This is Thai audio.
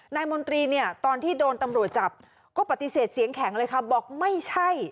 มนตรีเนี่ยตอนที่โดนตำรวจจับก็ปฏิเสธเสียงแข็งเลยค่ะบอกไม่ใช่